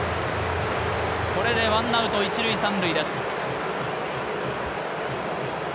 これで１アウト１塁３塁です。